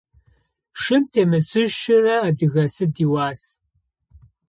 Шым темысышъурэ адыгэ сыд ыуас?